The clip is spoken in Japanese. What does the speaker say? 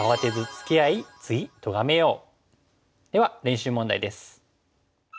では練習問題です。